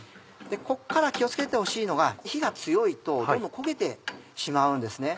こっから気を付けてほしいのが火が強いとどんどん焦げてしまうんですね。